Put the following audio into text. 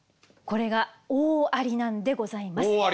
これが大ありなんでございます。